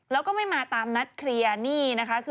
แล้วก็ไม่มาตามนัดเคลียร์